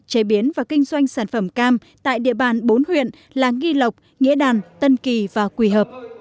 chế biến và kinh doanh sản phẩm cam tại địa bàn bốn huyện là nghi lộc nghĩa đàn tân kỳ và quỳ hợp